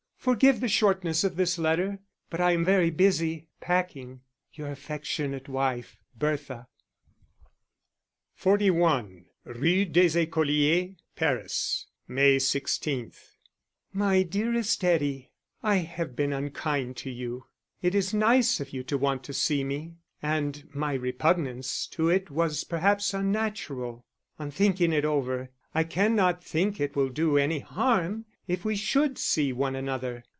_ Forgive the shortness of this letter, but I am very busy, packing. Your affectionate wife, BERTHA. 41 Rue des Ecoliers, Paris, May 16. _My dearest Eddie, I have been unkind to you. It is nice of you to want to see me, and my repugnance to it was perhaps unnatural. On thinking it over, I cannot think it will do any harm if we should see one another.